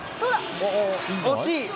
惜しい。